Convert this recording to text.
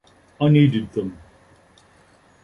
I needed them.